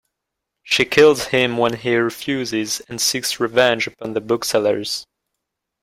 She kills him when he refuses and seeks revenge upon the booksellers.